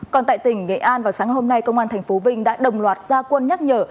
còn tại tỉnh nghệ an vào sáng hôm nay công an tp vinh đã đồng loạt gia quân nhắc nhở